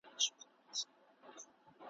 تور او سور زرغون ویاړلی بیرغ غواړم `